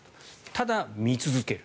ただ見続ける。